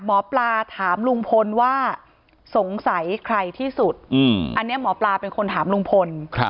หมอปลาถามลุงพลว่าสงสัยใครที่สุดอันนี้หมอปลาเป็นคนถามลุงพล